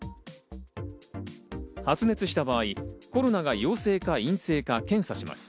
発熱した場合、コロナが陽性か陰性か検査します。